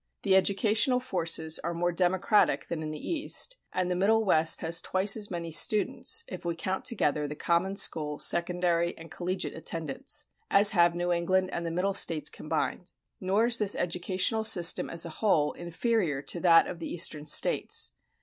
The educational forces are more democratic than in the East, and the Middle West has twice as many students (if we count together the common school, secondary, and collegiate attendance), as have New England and the Middle States combined. Nor is this educational system, as a whole, inferior to that of the Eastern States.